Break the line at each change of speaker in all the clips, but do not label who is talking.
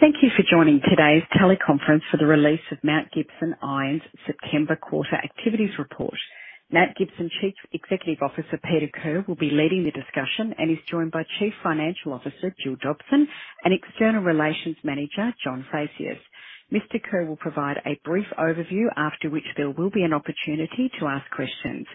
Thank you for joining today's teleconference for the release of Mount Gibson Iron's September quarter activities report. Mount Gibson Chief Executive Officer, Peter Kerr, will be leading the discussion and is joined by Chief Financial Officer, Gill Dobson, and External Relations Manager, John Phaceas. Mr. Kerr will provide a brief overview, after which there will be an opportunity to ask questions.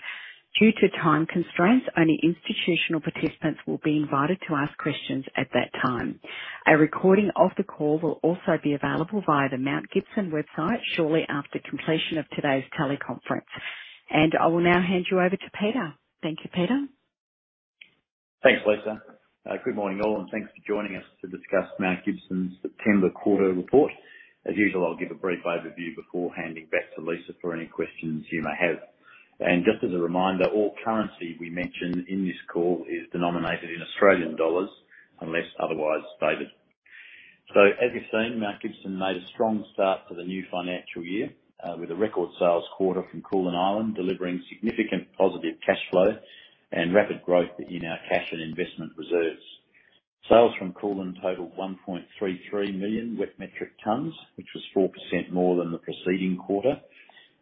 Due to time constraints, only institutional participants will be invited to ask questions at that time. A recording of the call will also be available via the Mount Gibson website shortly after completion of today's teleconference. I will now hand you over to Peter. Thank you, Peter.
Thanks, Lisa. Good morning, all, and thanks for joining us to discuss Mount Gibson's September quarter report. As usual, I'll give a brief overview before handing back to Lisa for any questions you may have. Just as a reminder, all currency we mention in this call is denominated in Australian dollars unless otherwise stated. As you've seen, Mount Gibson made a strong start to the new financial year with a record sales quarter from Koolan Island, delivering significant positive cash flow and rapid growth in our cash and investment reserves. Sales from Koolan totaled 1.33 million wet metric tons, which was 4% more than the preceding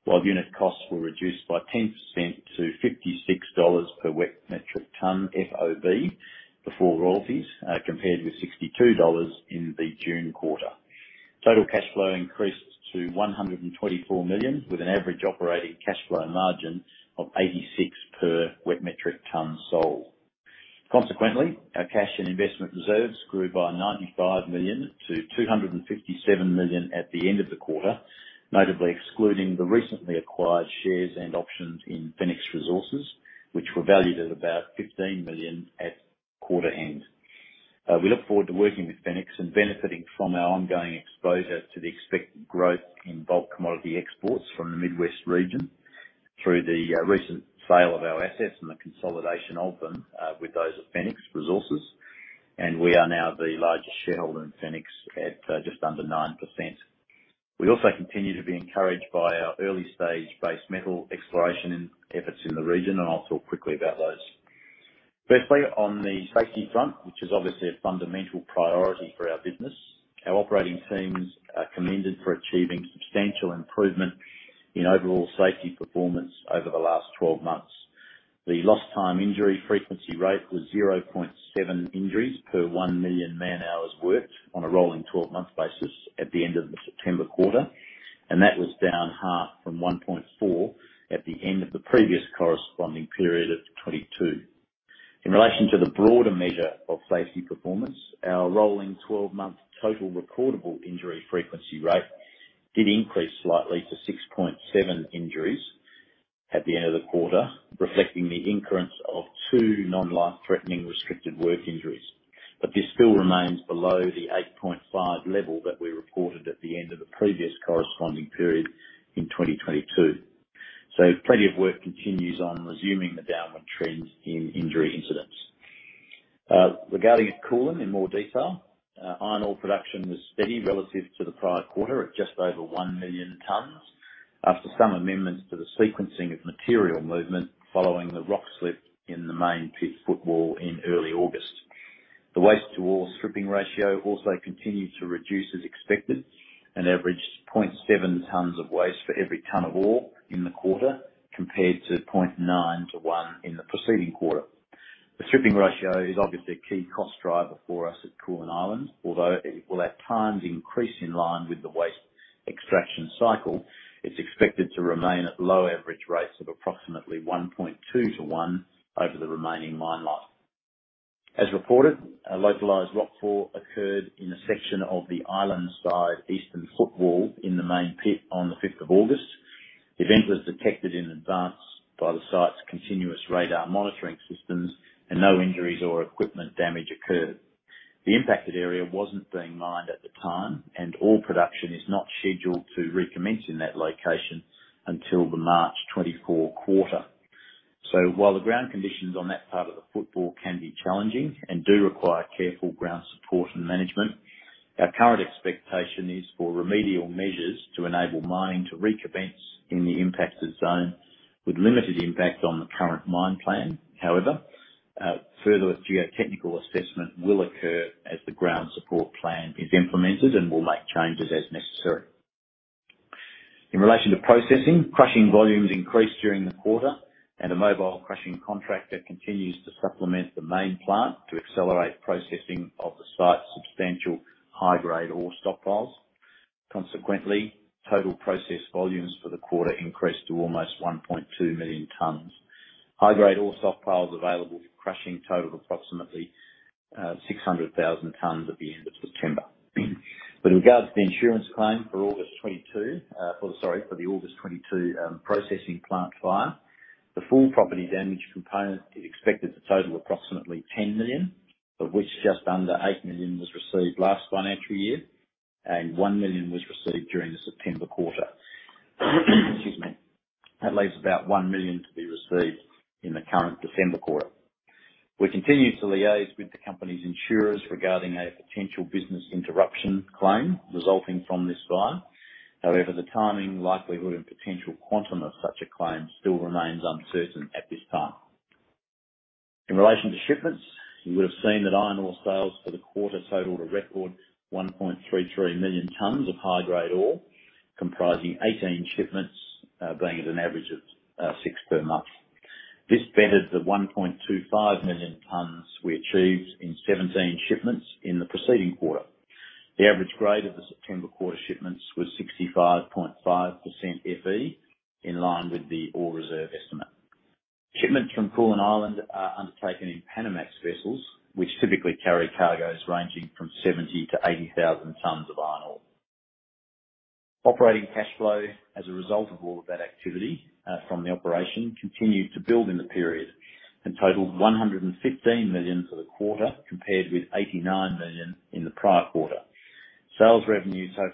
quarter, while unit costs were reduced by 10% to 56 dollars per wet metric ton FOB, before royalties, compared with 62 dollars in the June quarter. Total cash flow increased to 124 million, with an average operating cash flow margin of 86 per wet metric ton sold. Consequently, our cash and investment reserves grew by 95 million to 257 million at the end of the quarter, notably excluding the recently acquired shares and options in Fenix Resources, which were valued at about 15 million at quarter end. We look forward to working with Fenix and benefiting from our ongoing exposure to the expected growth in bulk commodity exports from the Mid-West region through the recent sale of our assets and the consolidation of them with those of Fenix Resources. We are now the largest shareholder in Fenix at just under 9%. We also continue to be encouraged by our early-stage base metal exploration efforts in the region, and I'll talk quickly about those. Firstly, on the safety front, which is obviously a fundamental priority for our business, our operating teams are commended for achieving substantial improvement in overall safety performance over the last 12 months. The Lost Time Injury Frequency Rate was 0.7 injuries per 1 million man-hours worked on a rolling 12-month basis at the end of the September quarter, and that was down half from 1.4 at the end of the previous corresponding period of 2022. In relation to the broader measure of safety performance, our rolling 12-month Total Recordable Injury Frequency Rate did increase slightly to 6.7 injuries at the end of the quarter, reflecting the incurrence of two non-life-threatening restricted work injuries. This still remains below the 8.5 level that we reported at the end of the previous corresponding period in 2022. Plenty of work continues on resuming the downward trend in injury incidents. Regarding Koolan in more detail, iron ore production was steady relative to the prior quarter at just over 1 million tons, after some amendments to the sequencing of material movement following the rock slip in the Main Pit footwall in early August. The waste-to-ore stripping ratio also continued to reduce as expected and averaged 0.7 tonnes of waste for every tonne of ore in the quarter, compared to 0.9 to 1 in the preceding quarter. The stripping ratio is obviously a key cost driver for us at Koolan Island. Although it will at times increase in line with the waste extraction cycle, it's expected to remain at low average rates of approximately 1.2 to 1 over the remaining mine life. As reported, a localized rockfall occurred in a section of the island-side eastern footwall in the Main Pit on the fifth of August. The event was detected in advance by the site's continuous radar monitoring systems, and no injuries or equipment damage occurred. The impacted area wasn't being mined at the time, and ore production is not scheduled to recommence in that location until the March 2024 quarter. While the ground conditions on that part of the footwall can be challenging and do require careful ground support and management, our current expectation is for remedial measures to enable mining to recommence in the impacted zone with limited impact on the current mine plan. However, further geotechnical assessment will occur as the ground support plan is implemented and will make changes as necessary. In relation to processing, crushing volumes increased during the quarter, and a mobile crushing contractor continues to supplement the main plant to accelerate processing of the site's substantial high-grade ore stockpiles. Consequently, total processed volumes for the quarter increased to almost 1.2 million tonnes. High-grade ore stockpiles available for crushing totaled approximately 600,000 tonnes at the end of September. In regards to the insurance claim for the August 2022 processing plant fire, the full property damage component is expected to total approximately 10 million, of which just under 8 million was received last financial year and 1 million was received during the September quarter. Excuse me. That leaves about 1 million to be received in the current December quarter. We continue to liaise with the company's insurers regarding a potential business interruption claim resulting from this fire. However, the timing, likelihood, and potential quantum of such a claim still remains uncertain at this time. In relation to shipments, you would have seen that iron ore sales for the quarter totaled a record 1.33 million tonnes of high-grade ore, comprising 18 shipments, being at an average of six per month. This bettered the 1.25 million tonnes we achieved in 17 shipments in the preceding quarter. The average grade of the September quarter shipments was 65.5% FE, in line with the ore reserve estimate. Shipments from Koolan Island are undertaken in Panamax vessels, which typically carry cargoes ranging from 70,000 tonnes-80,000 tonnes of iron ore. single space between the number and the unit for measurements (e.g., 50 mi, 250 lbs, 100 km)." "tonne" is a unit. "AUD 56 per tonne". This is standard. *Wait, "FOB sold":* "FOB sold" is a phrase. "to AUD 56 per tonne FOB sold". *Wait, "prior quarter":* "compared with AUD 62 in the prior quarter". *Wait, "10%":* "reduced by 10%".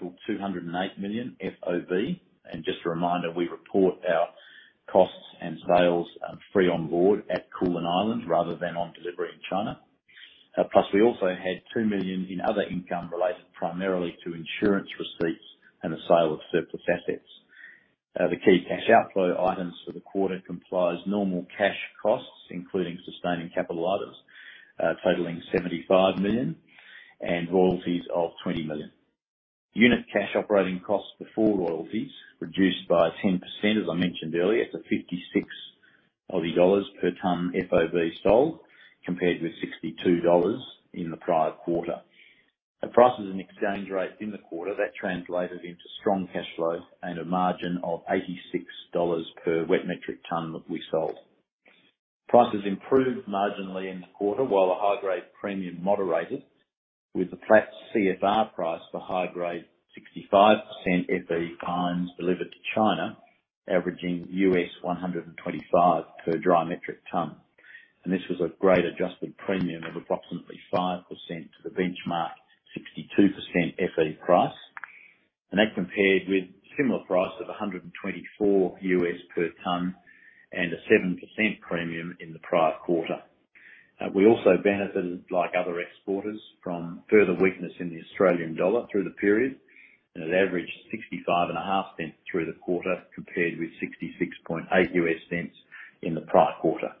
*Wait, "as I mentioned earlier":* "reduced by 10%, as I mentioned earlier, to 56 Aussie dollars per tonne". *Wait, "Sales revenue totaled AUD 208 million FOB.":* "Sales revenue totaled AUD 208 million FOB." *Wait, "Just a reminder": At prices and exchange rates in the quarter, that translated into strong cash flow and a margin of 86 dollars per wet metric ton that we sold. Prices improved marginally in the quarter, while the high-grade premium moderated, with a flat CFR price for high-grade 65% FE fines delivered to China, averaging $125 per dry metric ton. This was a grade-adjusted premium of approximately 5% to the benchmark 62% FE price. That compared with similar price of $124 per tonne and a 7% premium in the prior quarter. We also benefited, like other exporters, from further weakness in the Australian dollar through the period, and it averaged $0.655 through the quarter, compared with $0.668 in the prior quarter.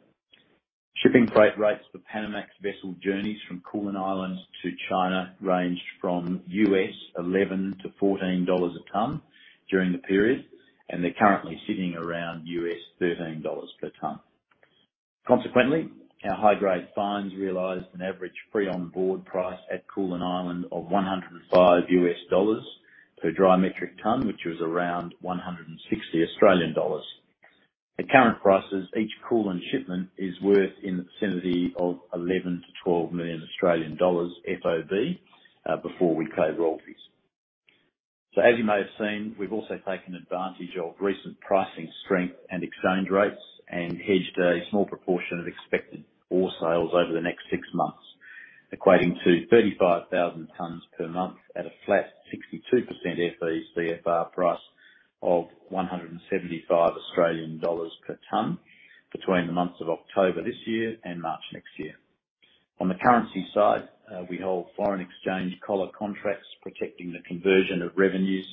Shipping freight rates for Panamax vessel journeys from Koolan Island to China ranged from $11-$14 a tonne during the period, and they're currently sitting around $13 per ton. Consequently, our high-grade fines realized an average Free On Board price at Koolan Island of $105 per dry metric ton, which was around 160 Australian dollars. At current prices, each Koolan shipment is worth in the vicinity of 11 million-12 million Australian dollars FOB before we pay royalties. As you may have seen, we've also taken advantage of recent pricing strength and exchange rates and hedged a small proportion of expected ore sales over the next six months, equating to 35,000 tonnes per month at a flat 62% FE CFR price of 175 Australian dollars per tonne between the months of October this year and March next year. On the currency side, we hold foreign exchange collar contracts protecting the conversion of revenues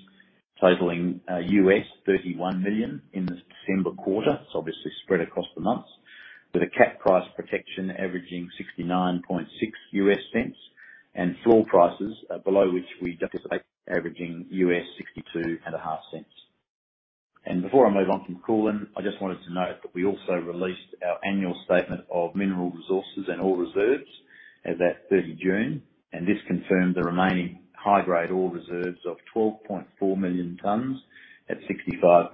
totaling $31 million in the December quarter. It's obviously spread across the months, with a cap price protection averaging $0.696, and floor prices below which we anticipate averaging $0.625. Before I move on from Koolan, I just wanted to note that we also released our annual statement of mineral resources and ore reserves as at 30 June, and this confirmed the remaining high-grade ore reserves of 12.4 million tonnes at 65.2%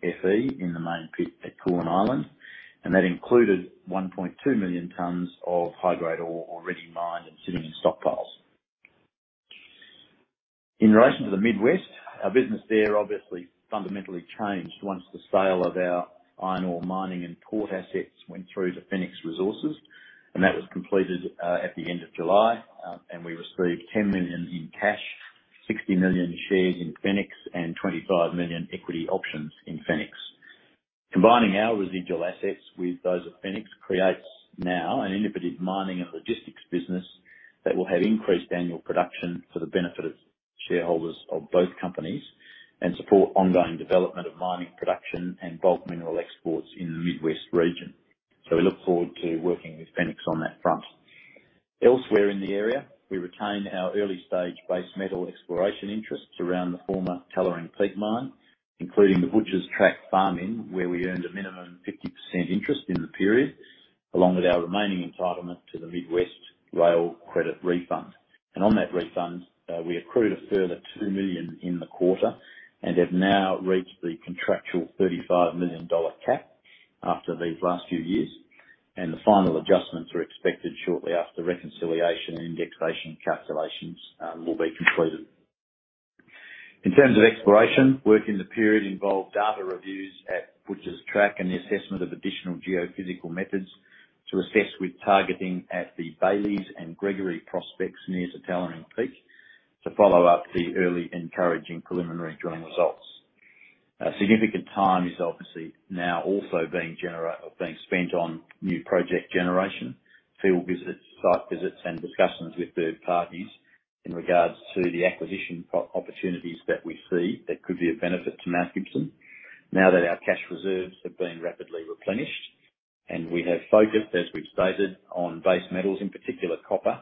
FE in the main pit at Koolan Island, and that included 1.2 million tonnes of high-grade ore already mined and sitting in stockpiles. In relation to the Mid-West, our business there obviously fundamentally changed once the sale of our iron ore mining and port assets went through to Fenix Resources, and that was completed at the end of July. We received 10 million in cash, 60 million shares in Fenix, and 25 million equity options in Fenix. Combining our residual assets with those of Fenix creates now an integrated mining and logistics business that will have increased annual production for the benefit of shareholders of both companies and support ongoing development of mining production and bulk mineral exports in the Mid-West region. We look forward to working with Fenix on that front. Elsewhere in the area, we retain our early-stage base metal exploration interests around the former Tallering Peak mine, including the Butcher's Track farm-in, where we earned a minimum 50% interest in the period, along with our remaining entitlement to the Mid-West rail credit refund. On that refund, we accrued a further 2 million in the quarter and have now reached the contractual 35 million dollar cap after these last few years. The final adjustments are expected shortly after reconciliation and indexation calculations will be completed. In terms of exploration, work in the period involved data reviews at Butcher's Track and the assessment of additional geophysical methods to assess with targeting at the Baileys and Gregory prospects near Tallering Peak, to follow up the early encouraging preliminary drilling results. A significant time is obviously now also being spent on new project generation, field visits, site visits, and discussions with third parties in regards to the acquisition opportunities that we see that could be of benefit to Mount Gibson. Now that our cash reserves have been rapidly replenished, and we have focused, as we've stated, on base metals, in particular, copper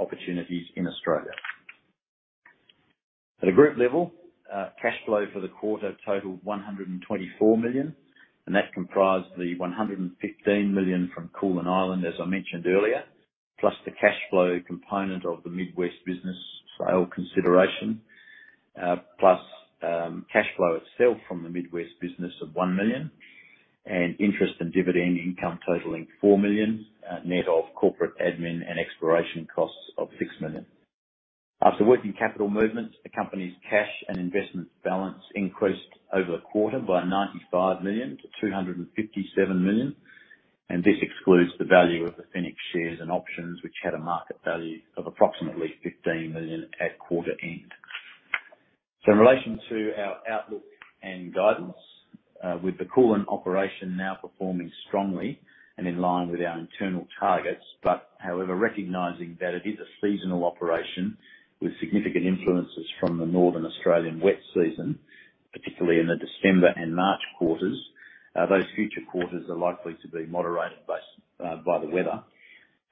opportunities in Australia. At a group level, cash flow for the quarter totaled 124 million, and that comprised the 115 million from Koolan Island, as I mentioned earlier, plus the cash flow component of the Mid-West business sale consideration, plus cash flow itself from the Mid-West business of 1 million, and interest and dividend income totaling 4 million, net of corporate admin and exploration costs of 6 million. After working capital movements, the company's cash and investment balance increased over the quarter by 95 million to 257 million, and this excludes the value of the Fenix shares and options, which had a market value of approximately 15 million at quarter end. In relation to our outlook and guidance, with the Koolan operation now performing strongly and in line with our internal targets, but however, recognizing that it is a seasonal operation with significant influences from the northern Australian wet season, particularly in the December and March quarters, those future quarters are likely to be moderated by the weather.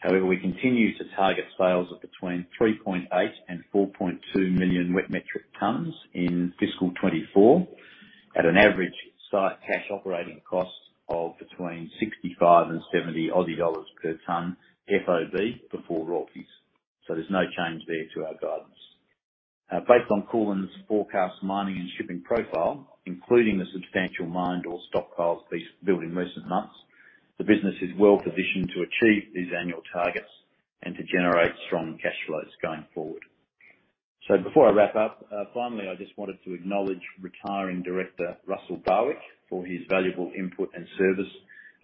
However, we continue to target sales of between 3.8 million and 4.2 million wet metric tons in fiscal 2024, at an average site cash operating cost of between 65 and 70 Aussie dollars per tonne FOB, before royalties. There's no change there to our guidance. Based on Koolan's forecast mining and shipping profile, including the substantial mined ore stockpiles built in recent months, the business is well positioned to achieve these annual targets and to generate strong cash flows going forward. Before I wrap up, finally, I just wanted to acknowledge retiring Director, Russell Barwick, for his valuable input and service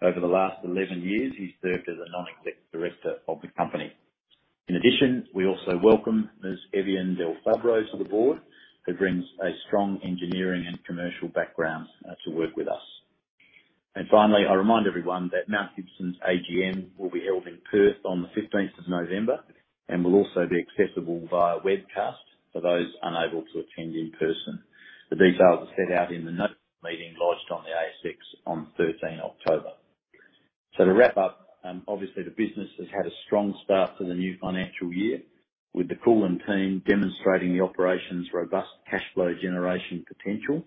over the last 11 years. He served as a Non-Executive Director of the company. In addition, we also welcome Ms. Evian Delfabbro to the Board, who brings a strong engineering and commercial background to work with us. Finally, I remind everyone that Mount Gibson's AGM will be held in Perth on the 15th of November and will also be accessible via webcast for those unable to attend in person. The details are set out in the Notice of Meeting lodged on the ASX on 13th October. To wrap up, obviously, the business has had a strong start to the new financial year, with the Koolan team demonstrating the operation's robust cash flow generation potential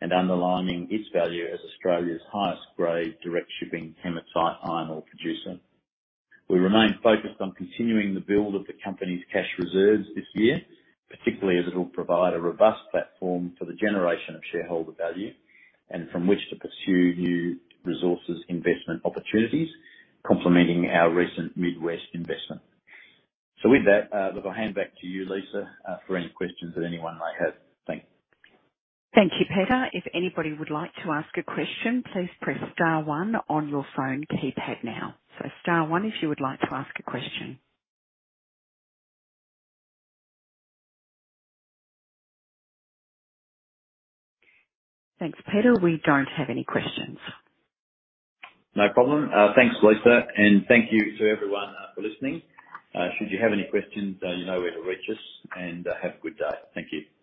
and underlining its value as Australia's highest grade, direct shipping hematite iron ore producer. We remain focused on continuing the build of the company's cash reserves this year, particularly as it will provide a robust platform for the generation of shareholder value and from which to pursue new resources investment opportunities, complementing our recent Mid-West investment. With that, look, I'll hand back to you, Lisa, for any questions that anyone may have. Thank you.
Thank you, Peter. If anybody would like to ask a question, please press star one on your phone keypad now. Star one if you would like to ask a question. Thanks, Peter. We don't have any questions.
No problem. Thanks, Lisa, and thank you to everyone for listening. Should you have any questions, you know where to reach us, and have a good day. Thank you.